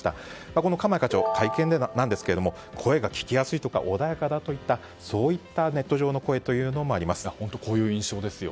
この鎌谷課長会見で声が聞き取りやすい穏やかだといったネット上の声もあります。